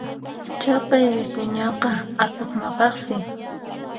Chaqay wik'uñaqa atuq maqaqsi.